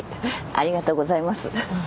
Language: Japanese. ありがとうございます。